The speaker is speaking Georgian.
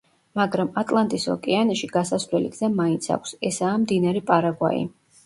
მაგრამ ატლანტის ოკეანეში გასასვლელი გზა მაინც აქვს ესაა მდინარე პარაგვაი.